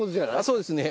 そうですね。